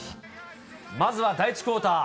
まずは第１クオーター。